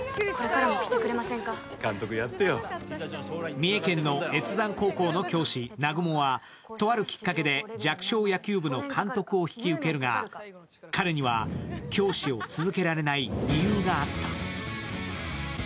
三重県の越山高校の教師・南雲はとあるきっかけで弱小野球部の監督を引き受けるが、彼には教師を続けられない理由があった。